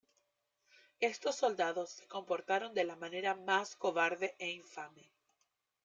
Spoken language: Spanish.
Estos soldados se comportaron de la manera más cobarde e infame.